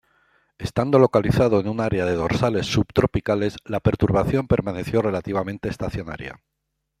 Estando localizado en un área de dorsales subtropicales, la perturbación permaneció relativamente estacionaria.